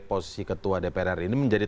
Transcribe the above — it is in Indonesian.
posisi ketua dpr hari ini menjadi